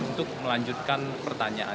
untuk melanjutkan pertanyaan